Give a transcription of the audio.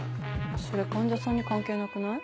それ患者さんに関係なくない？